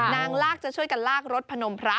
ลากจะช่วยกันลากรถพนมพระ